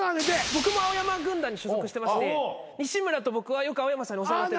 僕も青山軍団に所属してまして西村と僕はよく青山さんにお世話になってる。